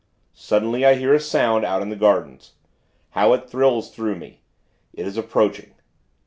Suddenly, I hear a sound, out in the gardens. How it thrills through me. It is approaching.